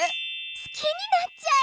すきになっちゃう！